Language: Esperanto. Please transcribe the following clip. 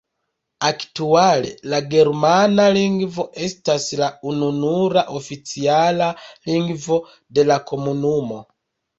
Aktuale la germana lingvo estas la ununura oficiala lingvo de la komunumo.